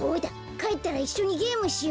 かえったらいっしょにゲームしようよ。